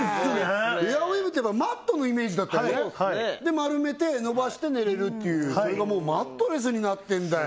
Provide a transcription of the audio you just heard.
エアウィーヴといえばマットのイメージだったけど丸めて伸ばして寝れるっていうそれがもうマットレスになってんだよ